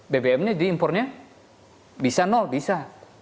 bbm nya jadi impornya bisa nol bisa